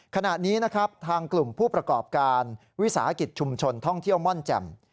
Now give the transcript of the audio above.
ขณะนี้นะครับทางกลุ่มผู้ประกอบการวิสาหกิจชุมชนท่องเที่ยวม่อนแจ่ม